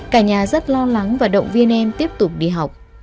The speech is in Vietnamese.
cả nhà rất lo lắng và động viên em tiếp tục đi học